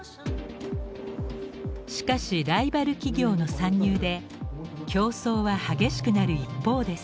しかしライバル企業の参入で競争は激しくなる一方です。